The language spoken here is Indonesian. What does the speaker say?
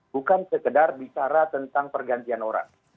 bukan sekedar bicara tentang pergantian orang